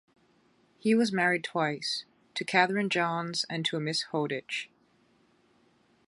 He married twice, to Catherine Johns and to a Miss Holditch.